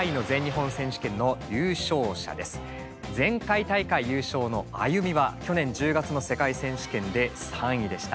前回大会優勝のＡＹＵＭＩは去年１０月の世界選手権で３位でした。